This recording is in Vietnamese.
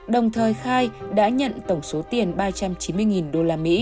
đồng thời khai đã nhận tổng số tiền ba trăm chín mươi usd